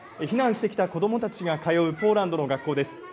避難してきた子供たちが通うポーランドの学校です。